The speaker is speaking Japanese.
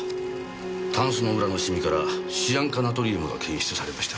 タンスの裏の染みからシアン化ナトリウムが検出されました。